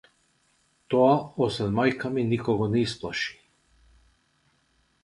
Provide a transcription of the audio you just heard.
Тоа освен мајка ми никого не исплаши.